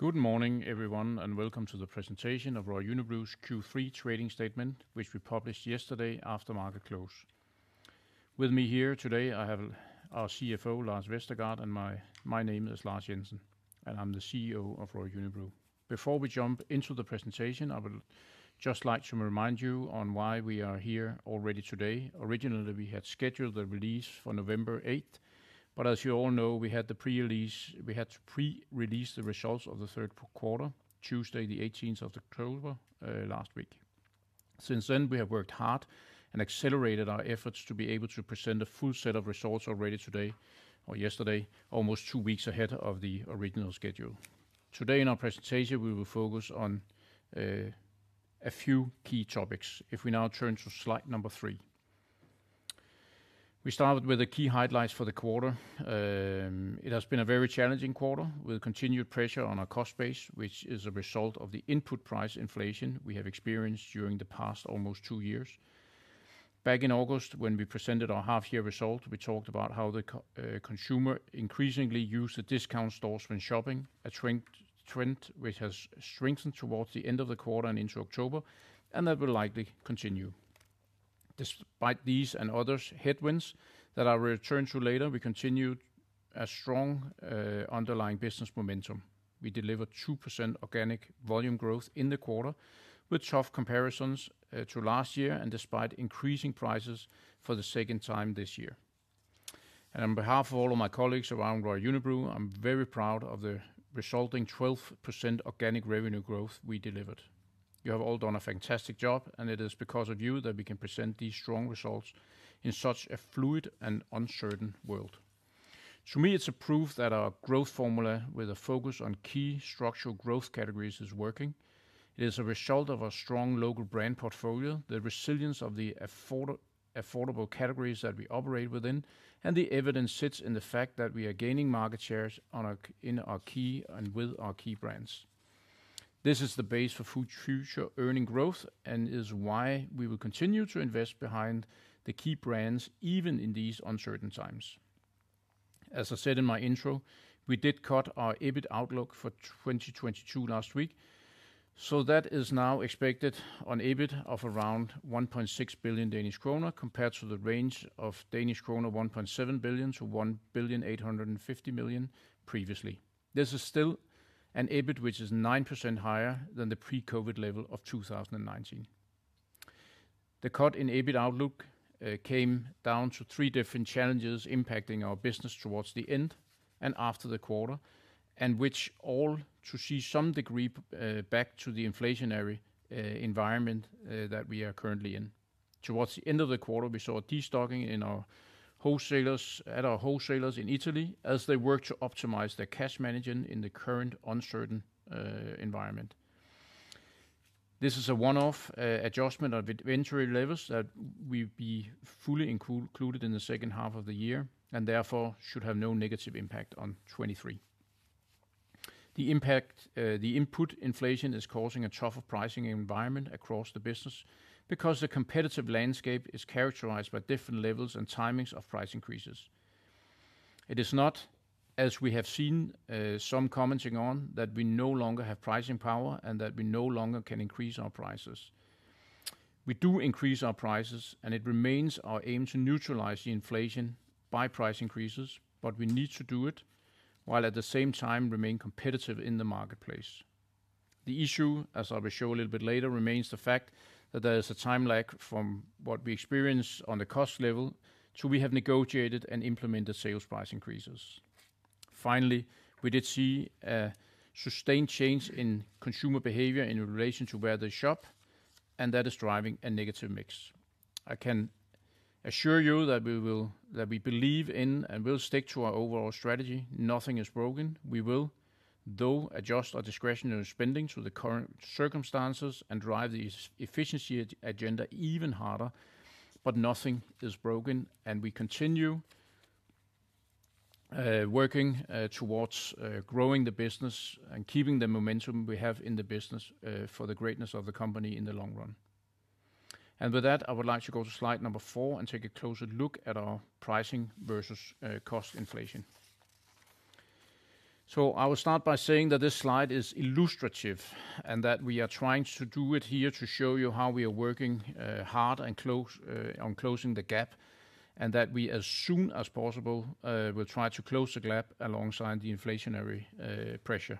Good morning everyone, and welcome to the presentation of Royal Unibrew's Q3 Trading Statement, which we published yesterday after market close. With me here today, I have our CFO, Lars Vestergaard, and my name is Lars Jensen, and I'm the CEO of Royal Unibrew. Before we jump into the presentation, I would just like to remind you on why we are here already today. Originally, we had scheduled the release for November 8th, but as you all know, we had to pre-release the results of the third quarter, Tuesday the 18th of October, last week. Since then, we have worked hard and accelerated our efforts to be able to present a full set of results already today or yesterday, almost two weeks ahead of the original schedule. Today in our presentation, we will focus on a few key topics if we now turn to slide number three. We started with the key highlights for the quarter. It has been a very challenging quarter with continued pressure on our cost base, which is a result of the input price inflation we have experienced during the past almost two years. Back in August when we presented our half year results, we talked about how the consumer increasingly used the discount stores when shopping, a trend which has strengthened towards the end of the quarter and into October, and that will likely continue. Despite these and other headwinds that I will return to later, we continued a strong underlying business momentum. We delivered 2% organic volume growth in the quarter with tough comparisons to last year and despite increasing prices for the second time this year. On behalf of all of my colleagues around Royal Unibrew, I'm very proud of the resulting 12% organic revenue growth we delivered. You have all done a fantastic job, and it is because of you that we can present these strong results in such a fluid and uncertain world. To me, it's a proof that our growth formula with a focus on key structural growth categories is working. It is a result of our strong local brand portfolio, the resilience of the affordable categories that we operate within, and the evidence sits in the fact that we are gaining market shares in our key and with our key brands. This is the base for future earnings growth and is why we will continue to invest behind the key brands, even in these uncertain times. As I said in my intro, we did cut our EBIT outlook for 2022 last week, so that is now expected an EBIT of around 1.6 billion Danish kroner compared to the range of 1.7 billion-1.85 billion Danish kroner previously. This is still an EBIT which is 9% higher than the pre-COVID level of 2019. The cut in EBIT outlook came down to three different challenges impacting our business towards the end and after the quarter, and which all to some degree back to the inflationary environment that we are currently in. Towards the end of the quarter, we saw destocking at our wholesalers in Italy as they work to optimize their cash management in the current uncertain environment. This is a one-off adjustment of inventory levels that will be fully included in the second half of the year and therefore, should have no negative impact on 2023. The impact, the input inflation is causing a tougher pricing environment across the business because the competitive landscape is characterized by different levels and timings of price increases. It is not, as we have seen, some commenting on, that we no longer have pricing power and that we no longer can increase our prices. We do increase our prices, and it remains our aim to neutralize the inflation by price increases, but we need to do it while at the same time remain competitive in the marketplace. The issue, as I will show a little bit later, remains the fact that there is a time lag from what we experience on the cost level till we have negotiated and implemented sales price increases. Finally, we did see a sustained change in consumer behavior in relation to where they shop, and that is driving a negative mix. I can assure you that we believe in and will stick to our overall strategy. Nothing is broken. We will, though, adjust our discretionary spending to the current circumstances and drive the efficiency agenda even harder, but nothing is broken, and we continue working towards growing the business and keeping the momentum we have in the business for the greatness of the company in the long run. I would like to go to slide number four and take a closer look at our pricing versus cost inflation. I will start by saying that this slide is illustrative and that we are trying to do it here to show you how we are working hard and close on closing the gap and that we as soon as possible will try to close the gap alongside the inflationary pressure.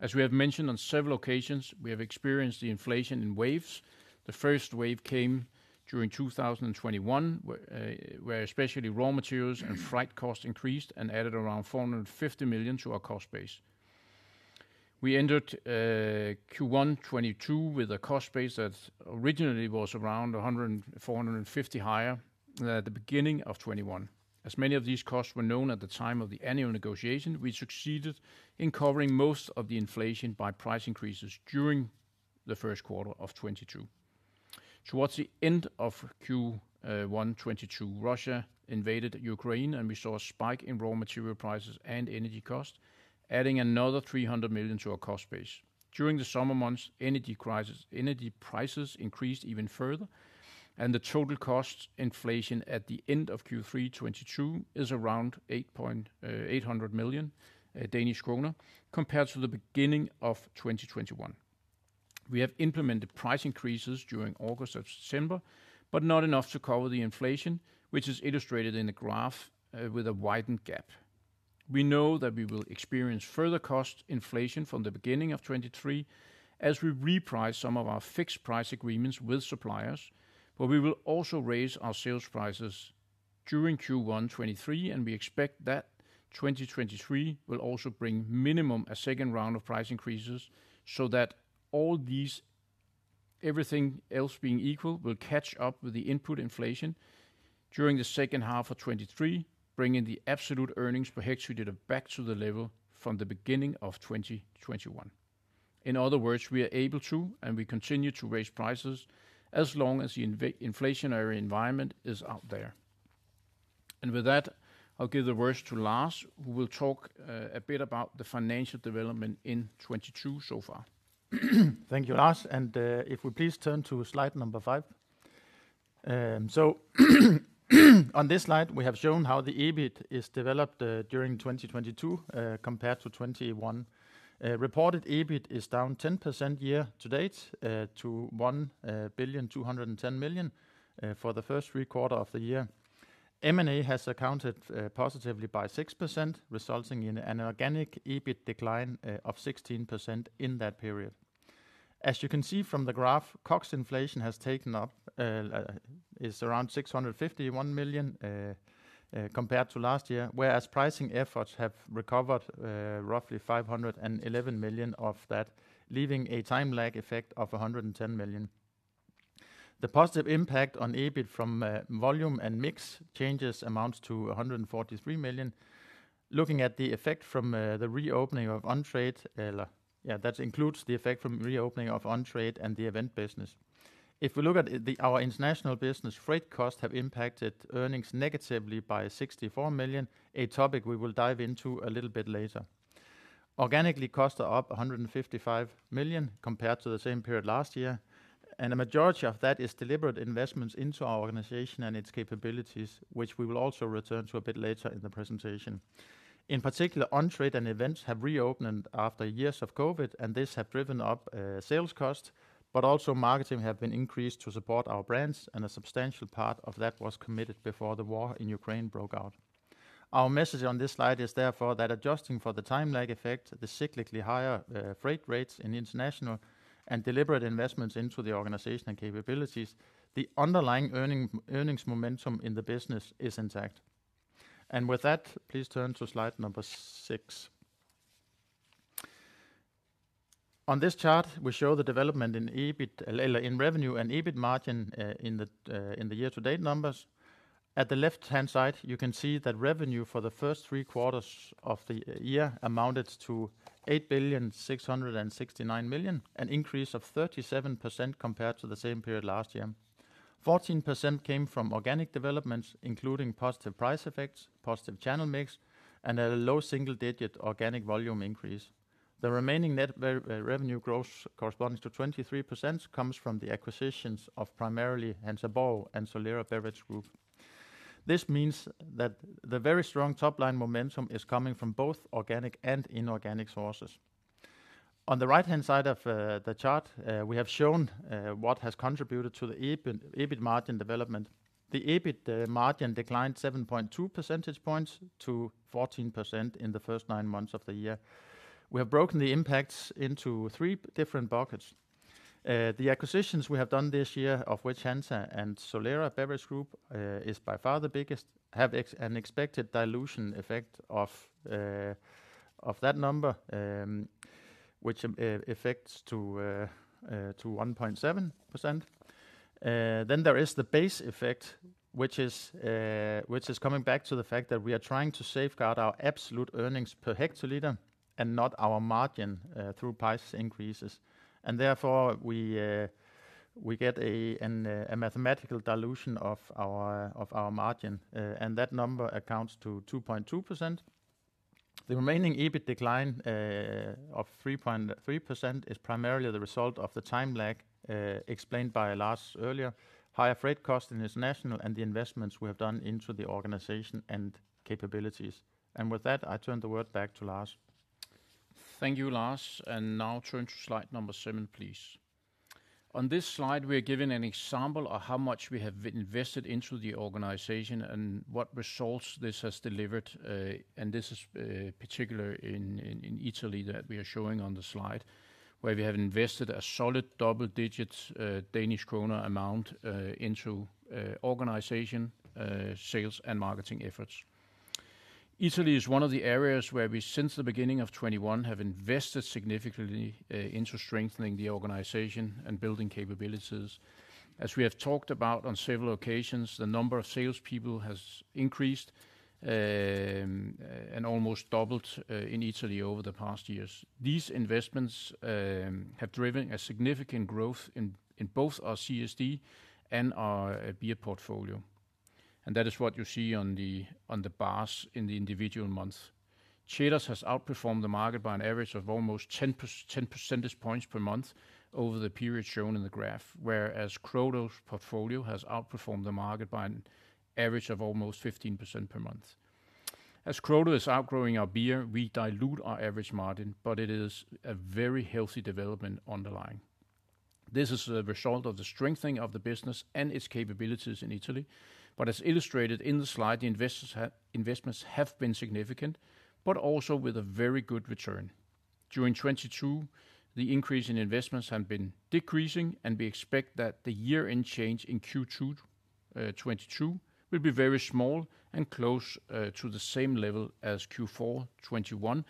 As we have mentioned on several occasions, we have experienced the inflation in waves. The first wave came during 2021, where especially raw materials and freight costs increased and added around 450 million to our cost base. We entered Q1 2022 with a cost base that originally was around 450 higher than at the beginning of 2021. As many of these costs were known at the time of the annual negotiation, we succeeded in covering most of the inflation by price increases during the first quarter of 2022. Towards the end of Q1 2022, Russia invaded Ukraine, and we saw a spike in raw material prices and energy costs, adding another 300 million to our cost base. During the summer months, energy prices increased even further, and the total cost inflation at the end of Q3 2022 is around 800 million Danish kroner compared to the beginning of 2021. We have implemented price increases during August and September, but not enough to cover the inflation, which is illustrated in the graph with a widened gap. We know that we will experience further cost inflation from the beginning of 2023 as we reprice some of our fixed price agreements with suppliers. We will also raise our sales prices during Q1 2023, and we expect that 2023 will also bring at minimum a second round of price increases so that all these, everything else being equal, will catch up with the input inflation during the second half of 2023, bringing the absolute earnings per hectoliter back to the level from the beginning of 2021. In other words, we are able to and we continue to raise prices as long as the inflationary environment is out there. With that, I'll give the words to Lars, who will talk a bit about the financial development in 2022 so far. Thank you, Lars. If we could please turn to slide five. On this slide, we have shown how the EBIT is developed during 2022 compared to 2021. Reported EBIT is down 10% year-to-date to 1.21 billion for the first three quarters of the year. M&A has accounted positively by 6%, resulting in an organic EBIT decline of 16% in that period. As you can see from the graph, COGS inflation is around 651 million compared to last year, whereas pricing efforts have recovered roughly 511 million of that, leaving a time lag effect of 110 million. The positive impact on EBIT from volume and mix changes amounts to 143 million. Looking at the effect from the reopening of on-trade, that includes the effect from reopening of on-trade and the event business. If we look at our international business, freight costs have impacted earnings negatively by 64 million, a topic we will dive into a little bit later. Organically, costs are up 155 million compared to the same period last year, and a majority of that is deliberate investments into our organization and its capabilities, which we will also return to a bit later in the presentation. In particular, on-trade and events have reopened after years of COVID, and this have driven up sales costs, but also marketing have been increased to support our brands, and a substantial part of that was committed before the war in Ukraine broke out. Our message on this slide is therefore that adjusting for the time lag effect, the cyclically higher freight rates in international and deliberate investments into the organization and capabilities, the underlying earnings momentum in the business is intact. With that, please turn to slide number six. On this chart, we show the development in EBIT, in revenue and EBIT margin, in the year-to-date numbers. At the left-hand side, you can see that revenue for the first three quarters of the year amounted to 8,669 million, an increase of 37% compared to the same period last year. 14% came from organic developments, including positive price effects, positive channel mix, and a low single-digit organic volume increase. The remaining net revenue growth corresponds to 23% comes from the acquisitions of primarily Hansa Borg and Solera Beverage Group. This means that the very strong top-line momentum is coming from both organic and inorganic sources. On the right-hand side of the chart, we have shown what has contributed to the EBIT margin development. The EBIT margin declined 7.2 percentage points to 14% in the first nine months of the year. We have broken the impacts into three different buckets. The acquisitions we have done this year, of which Hansa and Solera Beverage Group is by far the biggest, have an expected dilution effect of that number, which amounts to 1.7%. There is the base effect, which is coming back to the fact that we are trying to safeguard our absolute earnings per hectoliter and not our margin through price increases. Therefore, we get a mathematical dilution of our margin, and that number amounts to 2.2%. The remaining EBIT decline of 3.3% is primarily the result of the time lag explained by Lars earlier, and the investments we have done into the organization and capabilities. With that, I turn the word back to Lars. Thank you, Lars. Now turn to slide number seven, please. On this slide, we are giving an example of how much we have invested into the organization and what results this has delivered. This is particularly in Italy that we are showing on the slide, where we have invested a solid double digits DKK amount into organization sales and marketing efforts. Italy is one of the areas where we, since the beginning of 2021, have invested significantly into strengthening the organization and building capabilities. As we have talked about on several occasions, the number of salespeople has increased and almost doubled in Italy over the past years. These investments have driven a significant growth in both our CSD and our beer portfolio. That is what you see on the bars in the individual months. Ceres has outperformed the market by an average of almost 10 percentage points per month over the period shown in the graph. Whereas Crodo's portfolio has outperformed the market by an average of almost 15% per month. As Crodo is outgrowing our beer, we dilute our average margin, but it is a very healthy development underlying. This is a result of the strengthening of the business and its capabilities in Italy. As illustrated in the slide, the investments have been significant, but also with a very good return. During 2022, the increase in investments have been decreasing, and we expect that the year-end change in Q2 2022 will be very small and close to the same level as Q4 2021,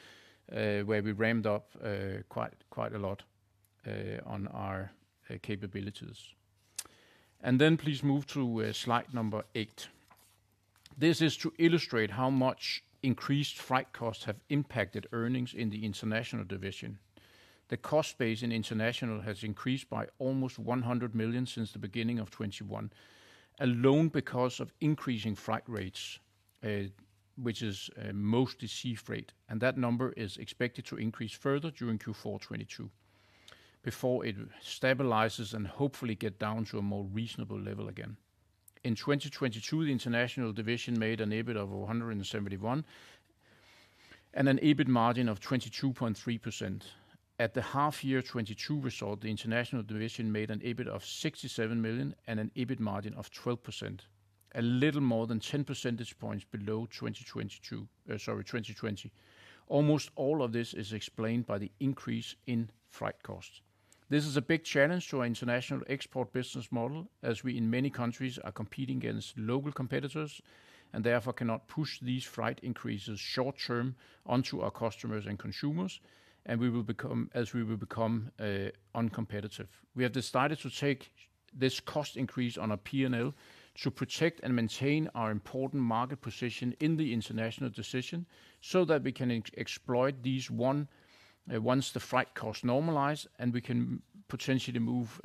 where we ramped up quite a lot on our capabilities. Please move to slide number eight. This is to illustrate how much increased freight costs have impacted earnings in the international division. The cost base in international has increased by almost 100 million since the beginning of 2021, alone because of increasing freight rates, which is mostly sea freight. That number is expected to increase further during Q4 2022 before it stabilizes and hopefully get down to a more reasonable level again. In 2022, the international division made an EBIT of 171 million and an EBIT margin of 22.3%. At the half year 2022 result, the international division made an EBIT of 67 million and an EBIT margin of 12%, a little more than 10 percentage points below 2020. Almost all of this is explained by the increase in freight costs. This is a big challenge to our international export business model, as we in many countries are competing against local competitors and therefore cannot push these freight increases short-term onto our customers and consumers, and we will become uncompetitive. We have decided to take this cost increase on our P&L to protect and maintain our important market position in the international division so that we can, once the freight costs normalize and we can potentially move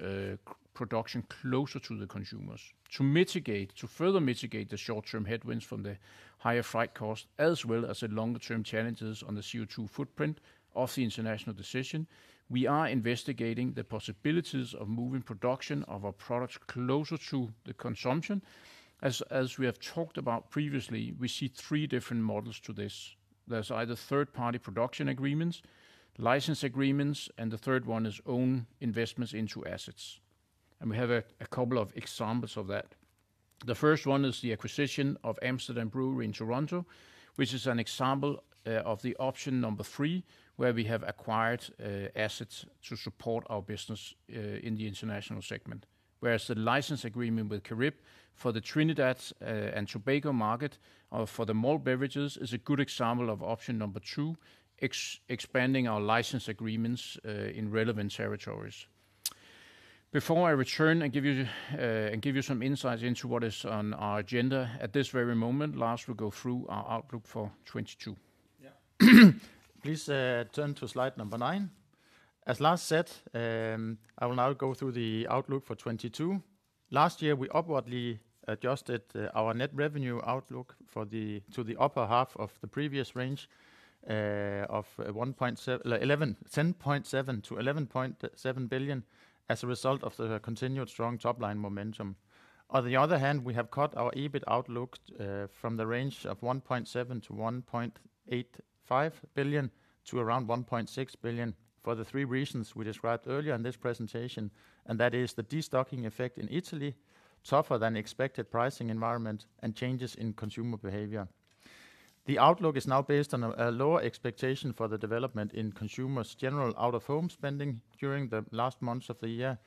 production closer to the consumers. To mitigate, to further mitigate the short-term headwinds from the higher freight costs, as well as the longer-term challenges on the CO2 footprint of the international division, we are investigating the possibilities of moving production of our products closer to the consumption. As we have talked about previously, we see three different models to this. There's either third-party production agreements, license agreements, and the third one is own investments into assets. We have a couple of examples of that. The first one is the acquisition of Amsterdam Brewery in Toronto, which is an example of the option number three, where we have acquired assets to support our business in the international segment. Whereas the license agreement with Carib for the Trinidad and Tobago market for the malt beverages is a good example of option number two, expanding our license agreements in relevant territories. Before I return and give you some insights into what is on our agenda at this very moment, Lars will go through our outlook for 2022. Yeah. Please, turn to slide number nine. As Lars said, I will now go through the outlook for 2022. Last year, we upwardly adjusted our net revenue outlook to the upper half of the previous range of 10.7 billion-11.7 billion as a result of the continued strong top-line momentum. On the other hand, we have cut our EBIT outlook from the range of 1.7 billion-1.85 billion to around 1.6 billion for the three reasons we described earlier in this presentation, and that is the destocking effect in Italy, tougher than expected pricing environment, and changes in consumer behavior. The outlook is now based on a lower expectation for the development in consumers' general out-of-home spending during the last months of the year,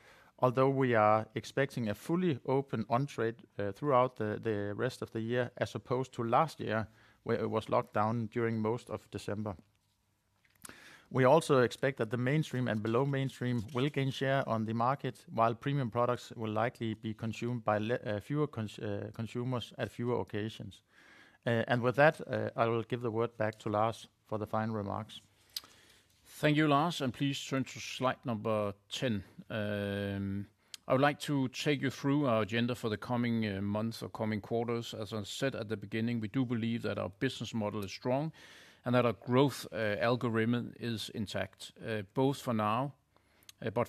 although we are expecting a fully open on-trade throughout the rest of the year, as opposed to last year, where it was locked down during most of December. We also expect that the mainstream and below mainstream will gain share on the market, while premium products will likely be consumed by fewer consumers at fewer occasions. With that, I will give the word back to Lars for the final remarks. Thank you, Lars, and please turn to slide number 10. I would like to take you through our agenda for the coming months or coming quarters. As I said at the beginning, we do believe that our business model is strong and that our growth algorithm is intact for now.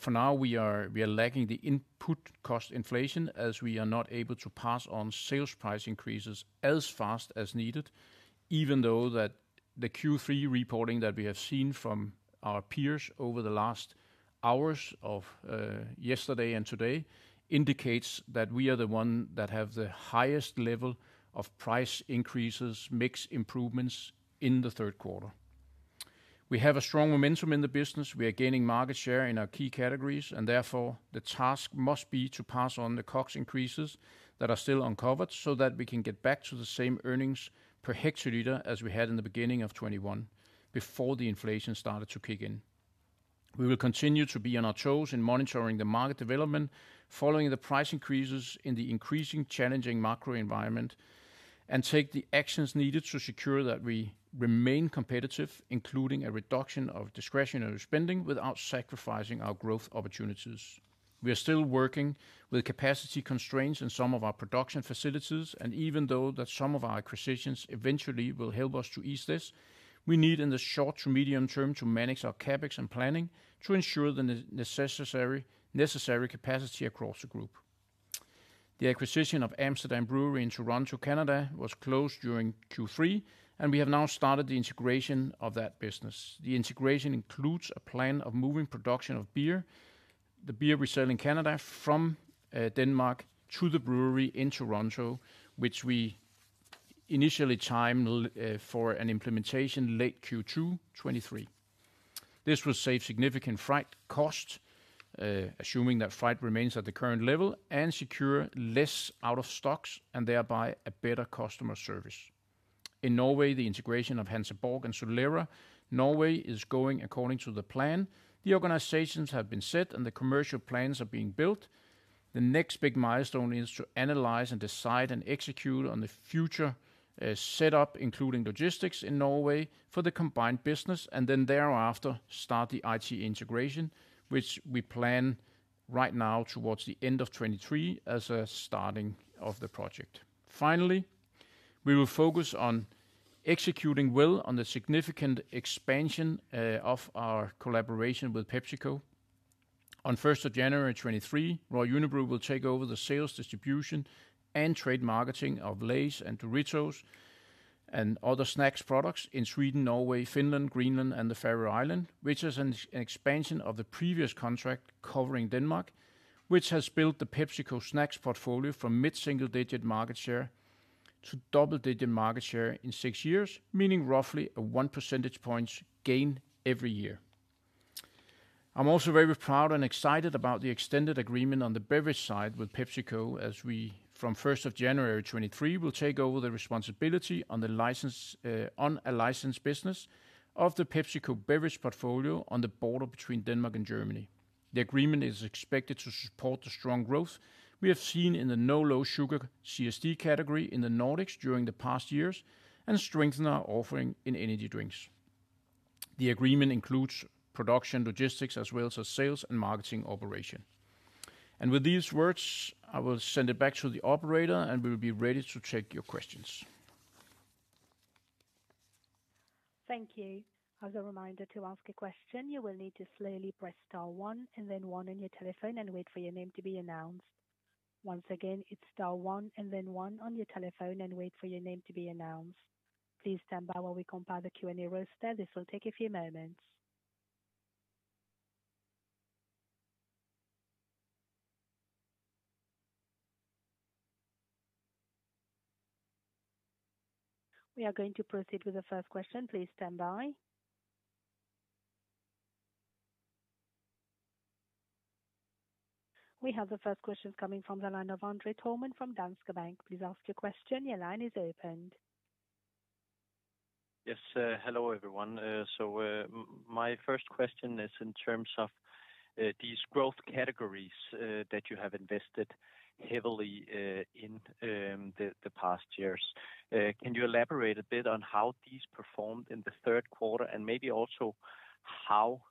For now, we are lacking the input cost inflation as we are not able to pass on sales price increases as fast as needed, even though that the Q3 reporting that we have seen from our peers over the last hours of yesterday and today indicates that we are the one that have the highest level of price increases, mix improvements in the third quarter. We have a strong momentum in the business. We are gaining market share in our key categories, and therefore the task must be to pass on the COGS increases that are still uncovered so that we can get back to the same earnings per hectoliter as we had in the beginning of 2021, before the inflation started to kick in. We will continue to be on our toes in monitoring the market development, following the price increases in the increasingly challenging macro environment, and take the actions needed to secure that we remain competitive, including a reduction of discretionary spending without sacrificing our growth opportunities. We are still working with capacity constraints in some of our production facilities, and even though that some of our acquisitions eventually will help us to ease this, we need in the short to medium term to manage our CapEx and planning to ensure the necessary capacity across the group. The acquisition of Amsterdam Brewery in Toronto, Canada was closed during Q3, and we have now started the integration of that business. The integration includes a plan of moving production of beer, the beer we sell in Canada, from Denmark to the brewery in Toronto, which we initially timed for an implementation late Q2 2023. This will save significant freight costs, assuming that freight remains at the current level, and secure less out of stocks and thereby a better customer service. In Norway, the integration of Hansa Borg and Solera Norway is going according to the plan. The organizations have been set and the commercial plans are being built. The next big milestone is to analyze and decide and execute on the future, set up, including logistics in Norway for the combined business, and then thereafter start the IT integration, which we plan right now towards the end of 2023 as a starting of the project. Finally, we will focus on executing well on the significant expansion of our collaboration with PepsiCo. On January 1, 2023, Royal Unibrew will take over the sales, distribution and trade marketing of Lay's and Doritos and other snacks products in Sweden, Norway, Finland, Greenland and the Faroe Islands, which is an expansion of the previous contract covering Denmark, which has built the PepsiCo snacks portfolio from mid-single digit market share to double-digit market share in six years, meaning roughly a one percentage points gain every year. I'm also very proud and excited about the extended agreement on the beverage side with PepsiCo as we, from January 1, 2023, will take over the responsibility on the license, on a licensed business of the PepsiCo beverage portfolio on the border between Denmark and Germany. The agreement is expected to support the strong growth we have seen in the No Low Sugar CSD category in the Nordics during the past years and strengthen our offering in energy drinks. The agreement includes production logistics as well as a sales and marketing operation. With these words, I will send it back to the operator and we'll be ready to take your questions. Thank you. As a reminder, to ask a question you will need to slowly press star one and then one on your telephone and wait for your name to be announced. Once again, it's star one and then one on your telephone and wait for your name to be announced. Please stand by while we compile the Q&A roster. This will take a few moments. We are going to proceed with the first question. Please stand by. We have the first question coming from the line of André Thormann from Danske Bank. Please ask your question. Your line is open. Yes. Hello, everyone. My first question is in terms of these growth categories that you have invested heavily in the past years. Can you elaborate a bit on how these performed in the third quarter and maybe also how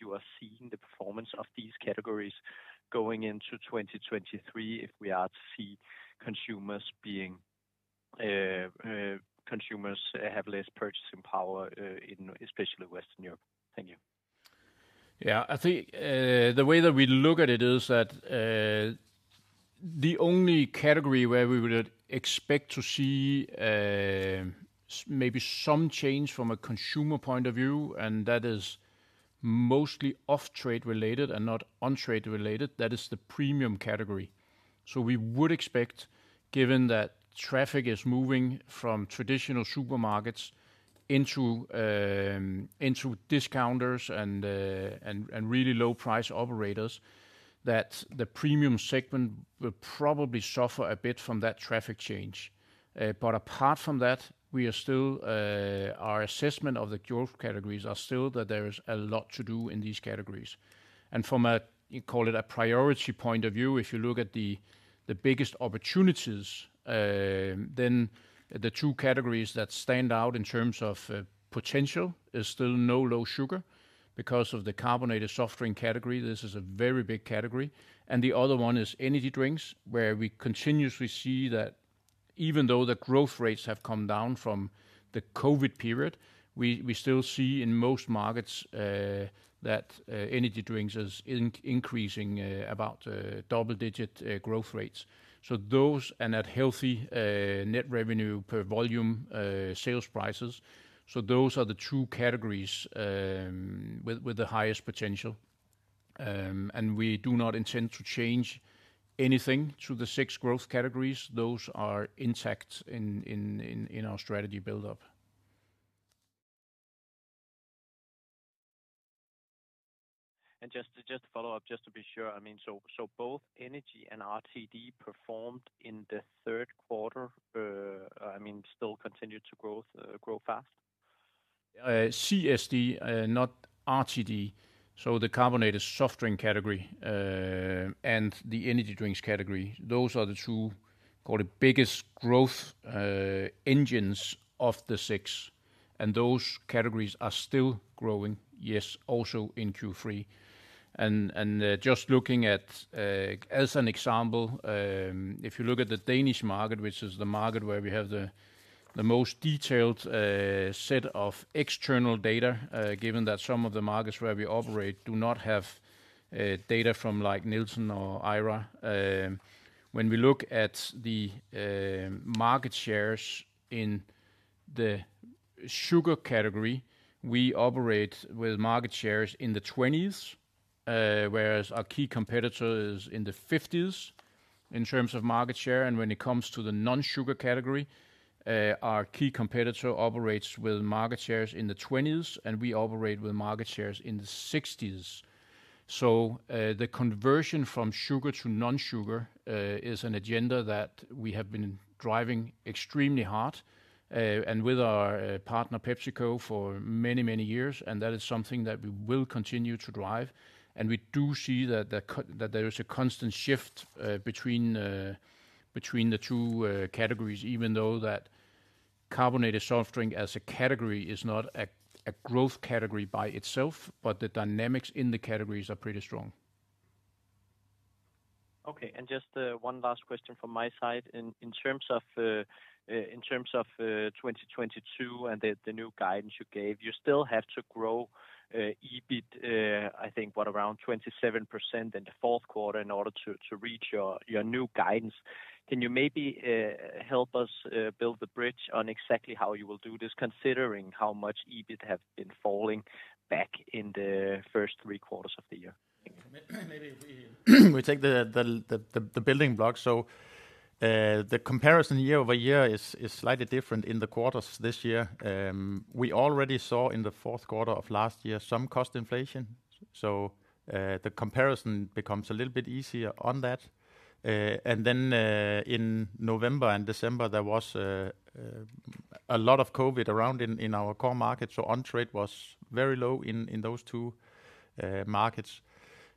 you are seeing the performance of these categories going into 2023, if we are to see consumers have less purchasing power especially in Western Europe? Thank you. Yeah. I think, the way that we look at it is that, the only category where we would expect to see, maybe some change from a consumer point of view, and that is mostly off-trade related and not on-trade related, that is the premium category. We would expect, given that traffic is moving from traditional supermarkets into discounters and really low price operators, that the premium segment will probably suffer a bit from that traffic change. Apart from that, we are still, our assessment of the growth categories are still that there is a lot to do in these categories. From a, call it a priority point of view, if you look at the biggest opportunities, then the two categories that stand out in terms of potential is still No Low Sugar because of the carbonated soft drink category. This is a very big category. The other one is energy drinks, where we continuously see that even though the growth rates have come down from the COVID period, we still see in most markets that energy drinks is increasing about double-digit growth rates. So those and at healthy net revenue per volume sales prices. So those are the two categories with the highest potential. We do not intend to change anything to the six growth categories. Those are intact in our strategy build-up. Just to follow up, just to be sure. I mean, so both energy and RTD performed in the third quarter, I mean, still continued to grow fast? CSD, not RTD. The carbonated soft drink category and the energy drinks category, those are the two, call it biggest growth engines of the six. Those categories are still growing, yes, also in Q3. Just looking at, as an example, if you look at the Danish market, which is the market where we have the most detailed set of external data, given that some of the markets where we operate do not have data from like Nielsen or IRI. When we look at the market shares in the sugar category, we operate with market shares in the 20's, whereas our key competitor is in the 50's in terms of market share. When it comes to the non-sugar category, our key competitor operates with market shares in the 20s%, and we operate with market shares in the 60%. The conversion from sugar to non-sugar is an agenda that we have been driving extremely hard, and with our partner PepsiCo for many, many years, and that is something that we will continue to drive. We do see that there is a constant shift between the two categories, even though carbonated soft drink as a category is not a growth category by itself, but the dynamics in the categories are pretty strong. Okay. Just one last question from my side. In terms of 2022 and the new guidance you gave, you still have to grow EBIT, I think around 27% in the fourth quarter in order to reach your new guidance. Can you maybe help us build the bridge on exactly how you will do this, considering how much EBIT have been falling back in the first three quarters of the year? Maybe we take the building blocks. The comparison year-over-year is slightly different in the quarters this year. We already saw in the fourth quarter of last year some cost inflation. The comparison becomes a little bit easier on that. And then, in November and December, there was a lot of COVID around in our core market, so on-trade was very low in those two markets.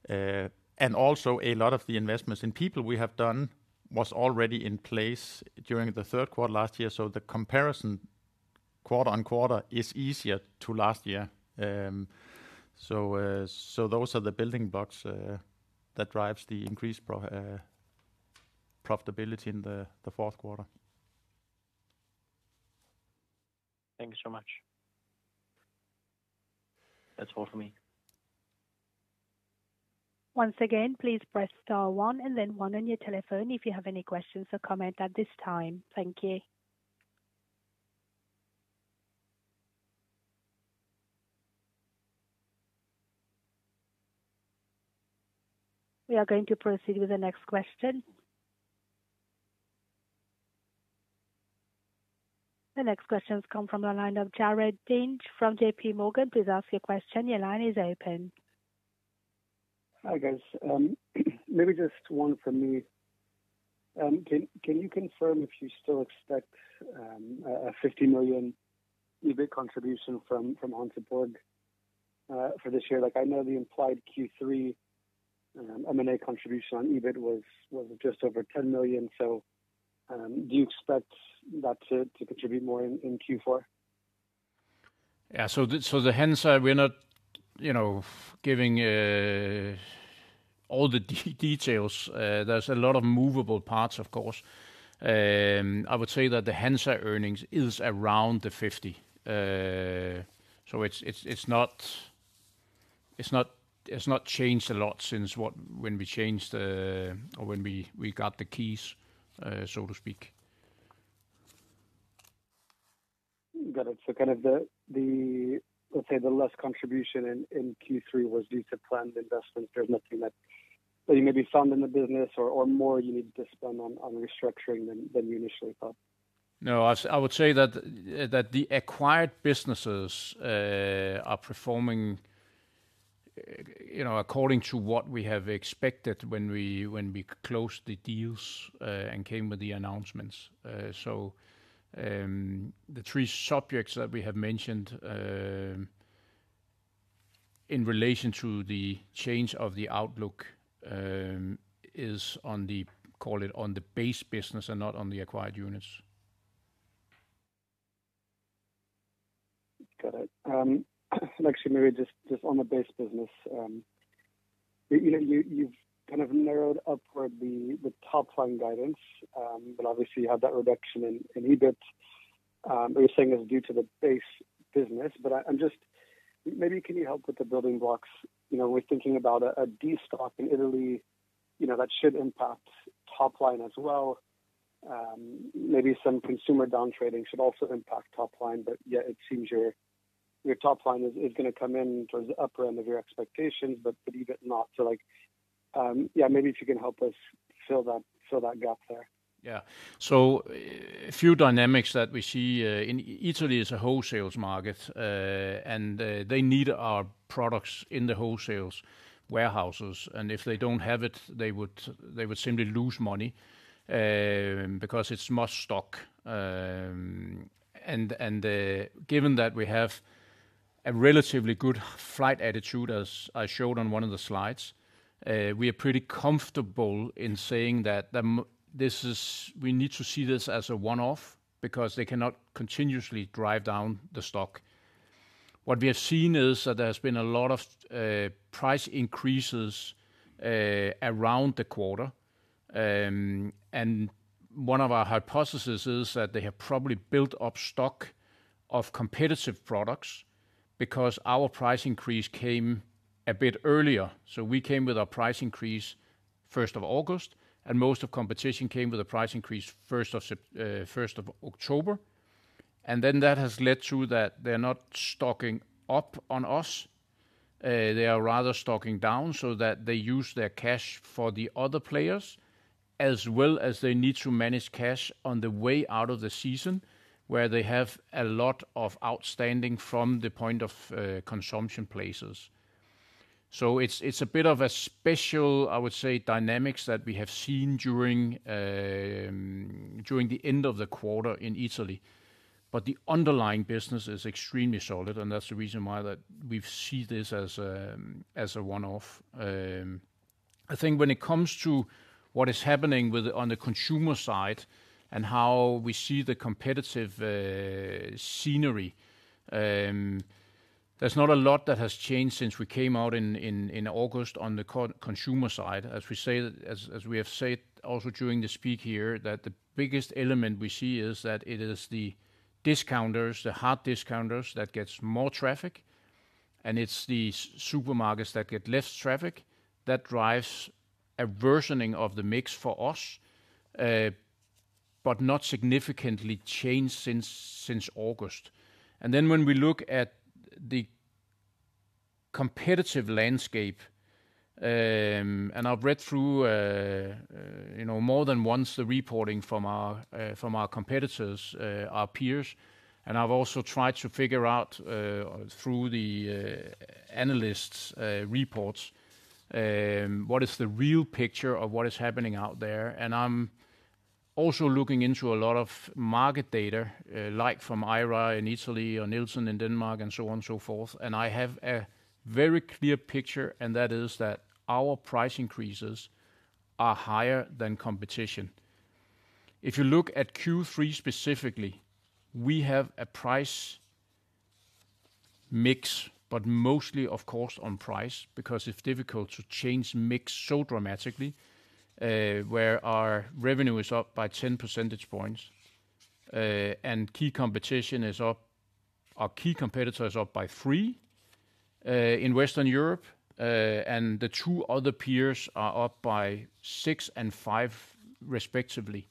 And also a lot of the investments in people we have done was already in place during the third quarter last year. The comparison quarter-on-quarter is easier than last year. Those are the building blocks that drives the increased profitability in the fourth quarter. Thank you so much. That's all for me. Once again, please press star-one and then one on your telephone if you have any questions or comments at this time. Thank you. We are going to proceed with the next question. The next question comes from the line of Jared Tinch from JPMorgan. Please ask your question. Your line is open. Hi, guys. Maybe just one from me. Can you confirm if you still expect a 50 million EBIT contribution from Hansa Borg for this year? Like, I know the implied Q3 M&A contribution on EBIT was just over 10 million. Do you expect that to contribute more in Q4? The Hansa, we're not giving all the details, you know. There's a lot of moving parts, of course. I would say that the Hansa earnings is around 50. It's not changed a lot since when we got the keys, so to speak. Got it. Kind of, let's say, the less contribution in Q3 was due to planned investments. There's nothing that you maybe found in the business or more you need to spend on restructuring than you initially thought? No, I would say that the acquired businesses are performing, you know, according to what we have expected when we closed the deals and came with the announcements. The three subjects that we have mentioned in relation to the change of the outlook is on the, call it, on the base business and not on the acquired units. Got it. Actually, maybe just on the base business, you know, you've kind of narrowed upward the top line guidance. Obviously you have that reduction in EBIT. You're saying it's due to the base business, but I'm just. Maybe can you help with the building blocks? You know, we're thinking about a destock in Italy, you know, that should impact top line as well. Maybe some consumer down-trading should also impact top line. Yeah, it seems your top line is gonna come in towards the upper end of your expectations, but EBIT not. Like, yeah, maybe if you can help us fill that gap there. Yeah. A few dynamics that we see in Italy is a wholesale market. They need our products in the wholesale warehouses, and if they don't have it, they would simply lose money because it's must stock. Given that we have a relatively good fill rate, as I showed on one of the slides, we are pretty comfortable in saying that this is, we need to see this as a one-off because they cannot continuously drive down the stock. What we have seen is that there's been a lot of price increases around the quarter. One of our hypotheses is that they have probably built up stock of competitive products because our price increase came a bit earlier. We came with our price increase first of August, and most of competition came with a price increase first of October. Then that has led to that they're not stocking up on us. They are rather stocking down so that they use their cash for the other players, as well as they need to manage cash on the way out of the season, where they have a lot of outstanding from the point of consumption places. It's a bit of a special, I would say, dynamics that we have seen during the end of the quarter in Italy. The underlying business is extremely solid, and that's the reason why that we see this as a one-off. I think when it comes to what is happening on the consumer side and how we see the competitive scenario, there's not a lot that has changed since we came out in August on the consumer side. As we have said also during the speech here, the biggest element we see is that it is the discounters, the hard discounters that gets more traffic, and it's the supermarkets that get less traffic. That drives a worsening of the mix for us, but not significantly changed since August. When we look at the competitive landscape, and I've read through, you know, more than once the reporting from our, from our competitors, our peers, and I've also tried to figure out, through the analysts', reports, what is the real picture of what is happening out there. I'm also looking into a lot of market data, like from IRI in Italy or Nielsen in Denmark and so on and so forth. I have a very clear picture, and that is that our price increases are higher than competition. If you look at Q3 specifically, we have a price mix, but mostly of course on price, because it's difficult to change mix so dramatically, where our revenue is up by 10 percentage points. Key competition is up. Our key competitor is up by 3% in Western Europe. The two other peers are up by 6% and 5%, respectively.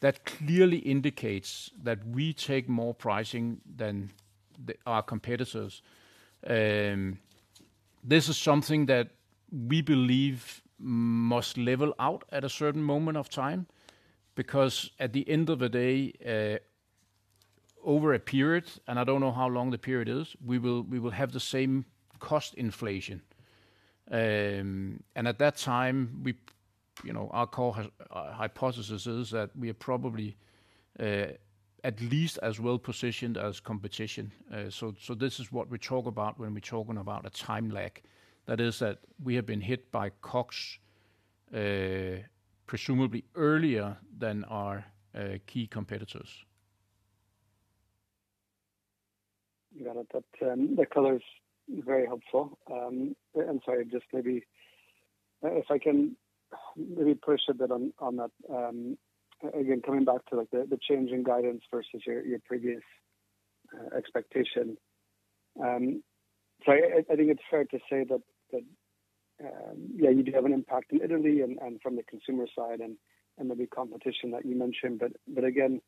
That clearly indicates that we take more pricing than our competitors. This is something that we believe must level out at a certain moment of time, because at the end of the day, over a period, and I don't know how long the period is, we will have the same cost inflation. At that time, you know, our core hypothesis is that we are probably at least as well-positioned as competition. So this is what we talk about when we're talking about a time lag. That is that we have been hit by COGS, presumably earlier than our key competitors. Got it. That color is very helpful. I'm sorry, just maybe if I can maybe push a bit on that. Again, coming back to, like, the change in guidance versus your previous expectation. I think it's fair to say that yeah, you do have an impact in Italy and from the consumer side and the big competition that you mentioned. Again,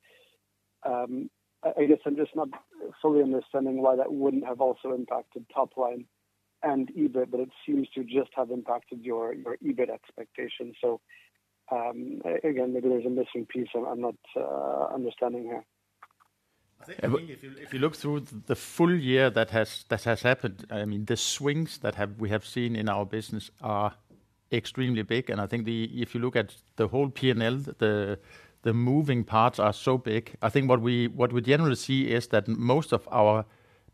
I guess I'm just not fully understanding why that wouldn't have also impacted top line and EBIT, but it seems to just have impacted your EBIT expectations. Again, maybe there's a missing piece I'm not understanding here. I think if you look through the full year that has happened, I mean, the swings that we have seen in our business are extremely big. I think. If you look at the whole P&L, the moving parts are so big. I think what we generally see is that most of our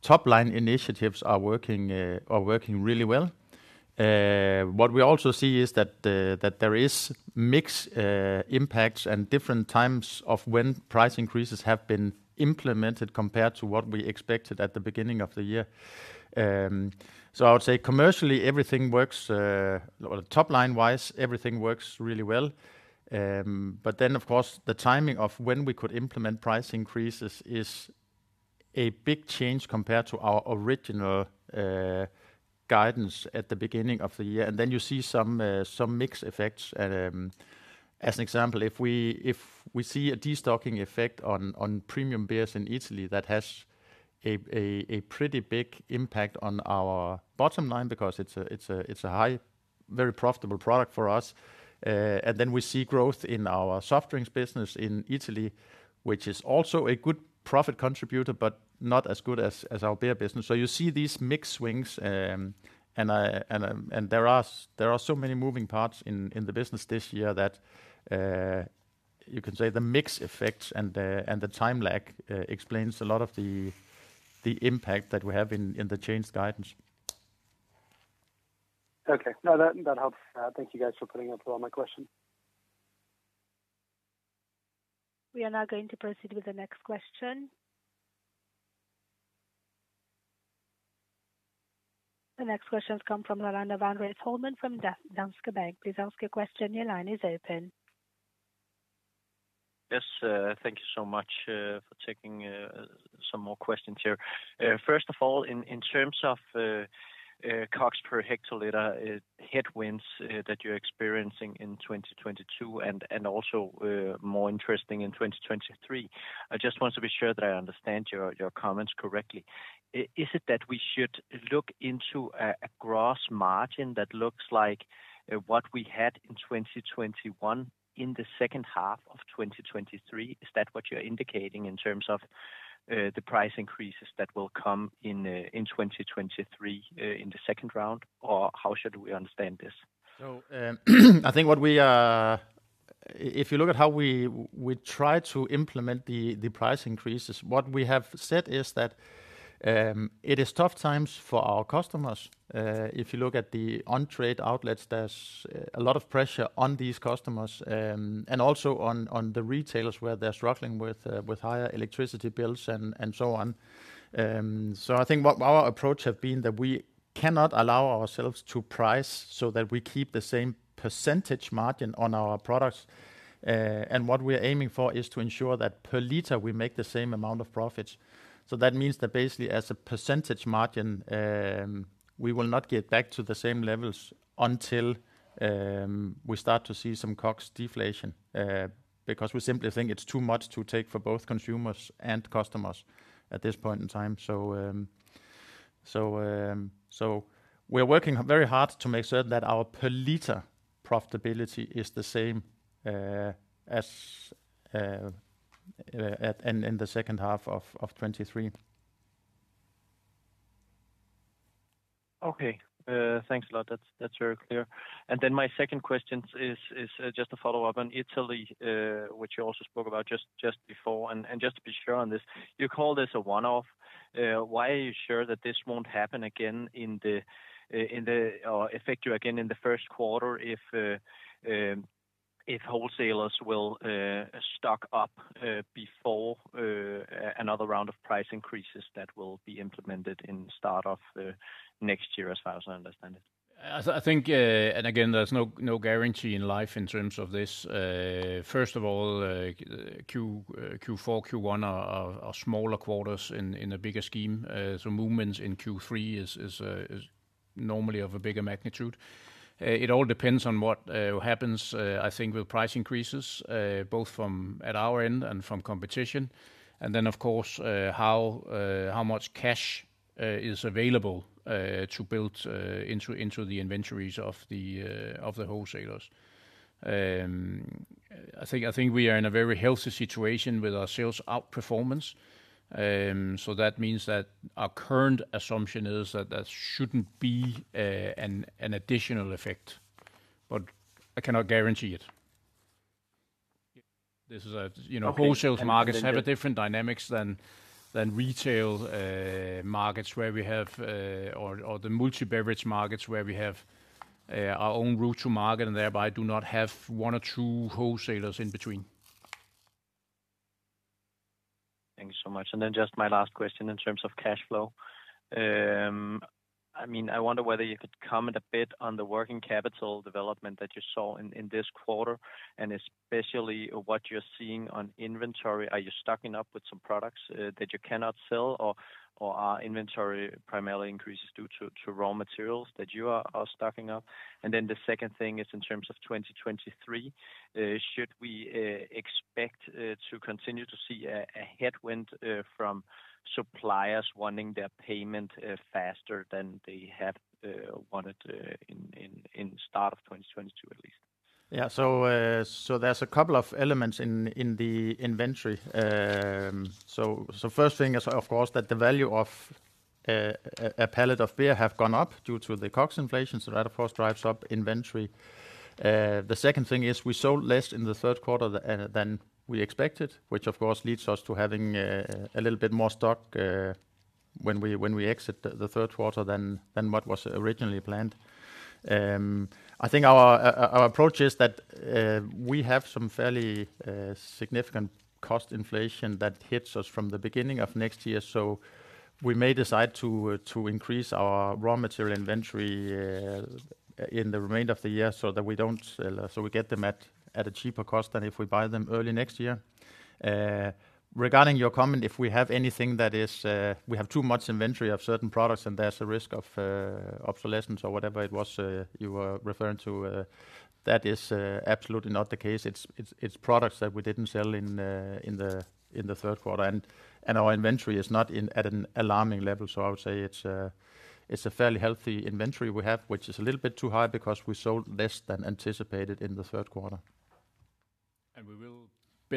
top-line initiatives are working really well. What we also see is that there is mix impacts and different times of when price increases have been implemented compared to what we expected at the beginning of the year. I would say commercially, everything works or top-line-wise, everything works really well. Of course, the timing of when we could implement price increases is a big change compared to our original guidance at the beginning of the year. You see some mix effects. As an example, if we see a destocking effect on premium beers in Italy, that has a pretty big impact on our bottom line because it's a high, very profitable product for us. We see growth in our soft drinks business in Italy, which is also a good profit contributor, but not as good as our beer business. You see these mix swings, and there are so many moving parts in the business this year that you can say the mix effects and the time lag explains a lot of the impact that we have in the changed guidance. Okay. No, that helps. Thank you guys for putting up with all my questions. We are now going to proceed with the next question. The next question comes from Rolando van Rees Holman from Danske Bank. Please ask your question, your line is open. Yes, thank you so much for taking some more questions here. First of all, in terms of COGS per hectoliter headwinds that you're experiencing in 2022 and also more interesting in 2023. I just want to be sure that I understand your comments correctly. Is it that we should look into a gross margin that looks like what we had in 2021 in the second half of 2023? Is that what you're indicating in terms of the price increases that will come in in 2023 in the second round? Or how should we understand this? I think if you look at how we try to implement the price increases, what we have said is that it is tough times for our customers. If you look at the on-trade outlets, there's a lot of pressure on these customers, and also on the retailers where they're struggling with higher electricity bills and so on. I think what our approach have been that we cannot allow ourselves to price so that we keep the same percentage margin on our products. And what we're aiming for is to ensure that per liter we make the same amount of profits. That means that basically as a percentage margin, we will not get back to the same levels until we start to see some COGS deflation. Because we simply think it's too much to take for both consumers and customers at this point in time. We're working very hard to make certain that our per liter profitability is the same as in the second half of 2023. Okay. Thanks a lot. That's very clear. Then my second question is just a follow-up on Italy, which you also spoke about just before. Just to be sure on this, you call this a one-off. Why are you sure that this won't happen again or affect you again in the first quarter if wholesalers will stock up before another round of price increases that will be implemented in the start of next year as far as I understand it? I think again there's no guarantee in life in terms of this. First of all, Q4, Q1 are smaller quarters in a bigger scheme. Movements in Q3 is normally of a bigger magnitude. It all depends on what happens, I think with price increases both from our end and from competition. Then of course, how much cash is available to build into the inventories of the wholesalers. I think we are in a very healthy situation with our sales outperformance. That means that our current assumption is that that shouldn't be an additional effect. I cannot guarantee it. This is a you know. Okay. Wholesale markets have a different dynamics than retail markets where we have or the multi-beverage markets where we have our own route to market and thereby do not have one or two wholesalers in between. Thanks so much. Then just my last question in terms of cash flow. I mean, I wonder whether you could comment a bit on the working capital development that you saw in this quarter, and especially what you're seeing on inventory. Are you stocking up with some products that you cannot sell or are inventory primarily increases due to raw materials that you are stocking up? Then the second thing is in terms of 2023, should we expect to continue to see a headwind from suppliers wanting their payment faster than they have wanted in start of 2022 at least? There's a couple of elements in the inventory. First thing is of course that the value of a pallet of beer have gone up due to the COGS inflation, so that of course drives up inventory. The second thing is we sold less in the third quarter than we expected, which of course leads us to having a little bit more stock when we exit the third quarter than what was originally planned. I think our approach is that we have some fairly significant cost inflation that hits us from the beginning of next year. We may decide to increase our raw material inventory in the remainder of the year so that we don't sell. We get them at a cheaper cost than if we buy them early next year. Regarding your comment, if we have anything that we have too much inventory of certain products and there's a risk of obsolescence or whatever it was you were referring to. That is absolutely not the case. It's products that we didn't sell in the third quarter. Our inventory is not at an alarming level. I would say it's a fairly healthy inventory we have, which is a little bit too high because we sold less than anticipated in the third quarter. We will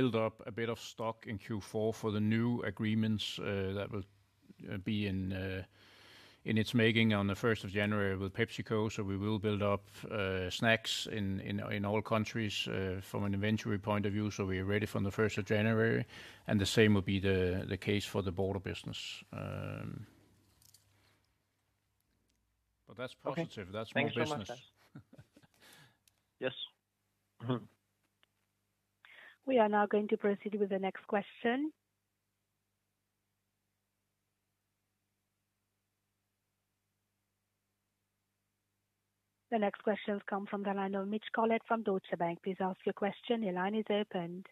build up a bit of stock in Q4 for the new agreements that will be in its making on the 1st of January with PepsiCo. We will build up snacks in all countries from an inventory point of view, so we are ready from the 1st of January. The same will be the case for the border business. That's positive. Okay. That's more business. Thank you so much then. Yes. We are now going to proceed with the next question. The next question comes from the line of Mitch Collett from Deutsche Bank. Please ask your question, your line is open.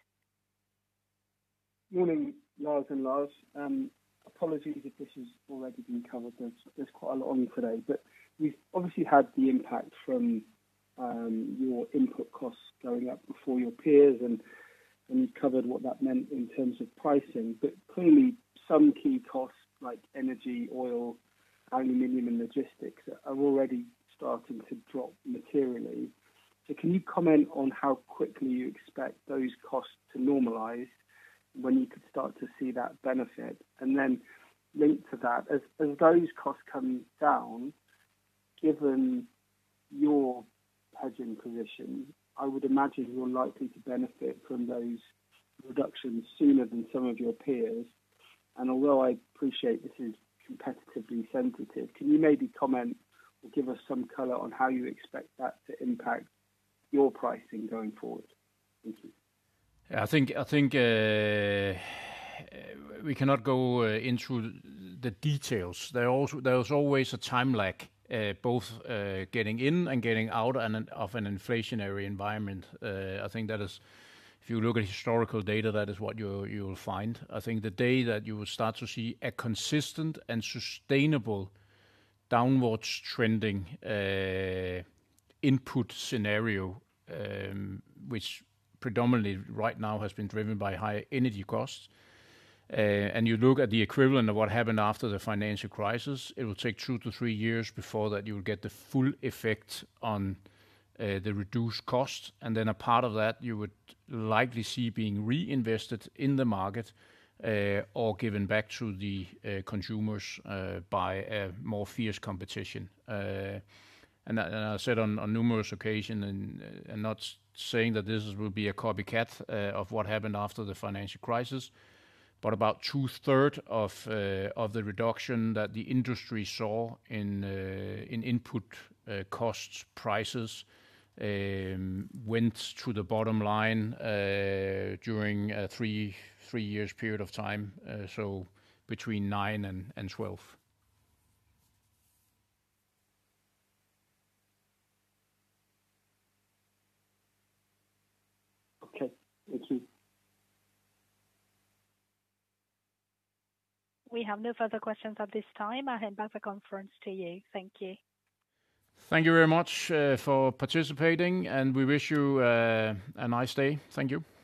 Morning, Lars and Lars. Apologies if this has already been covered. There's quite a lot on today. You've obviously had the impact from your input costs going up before your peers, and you covered what that meant in terms of pricing. Clearly some key costs like energy, oil, aluminum, and logistics are already starting to drop materially. Can you comment on how quickly you expect those costs to normalize, when you could start to see that benefit? Then linked to that, as those costs come down, given your hedging position, I would imagine you're likely to benefit from those reductions sooner than some of your peers. Although I appreciate this is competitively sensitive, can you maybe comment or give us some color on how you expect that to impact your pricing going forward? Thank you. Yeah, I think we cannot go into the details. There's always a time lag, both getting in and getting out of an inflationary environment. I think that is, if you look at historical data, that is what you'll find. I think the day that you will start to see a consistent and sustainable downward trending input scenario, which predominantly right now has been driven by high energy costs. You look at the equivalent of what happened after the financial crisis, it will take two to three years before that you'll get the full effect on the reduced cost. Then a part of that you would likely see being reinvested in the market, or given back to the consumers, by a more fierce competition. I said on numerous occasions and not saying that this will be a copycat of what happened after the financial crisis. About two-thirds of the reduction that the industry saw in input cost prices went to the bottom line during a three year period of time between 9% and 12%. Okay. Thank you. We have no further questions at this time. I hand back the conference to you. Thank you. Thank you very much for participating, and we wish you a nice day. Thank you.